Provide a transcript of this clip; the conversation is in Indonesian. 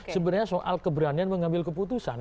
sebenarnya soal keberanian mengambil keputusan